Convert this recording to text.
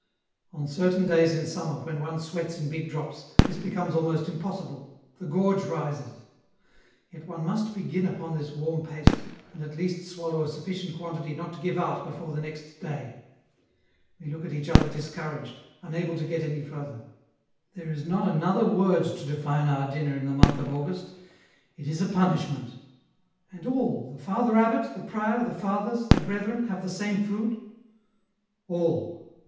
" On certain days in summer, when one sweats in big drops, this becomes almost impossible, the gorge rises. Yet one must begin upon this warm paste, and at least swallow a sufficient quantity not to give out before the next day ; we look at each other discouraged, unable to get any further ; there is not another word to define our dinner in the month of August, it is a punishment." " And all, the Father abbot, the prior, the fathers, the brethren, have the same food ?"" All.